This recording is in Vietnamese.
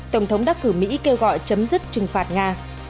tổng thống đắc cử mỹ kêu gọi chấm dứt trừng phạt nga